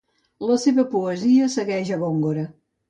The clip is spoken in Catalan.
La seva poesia segueix a Góngora.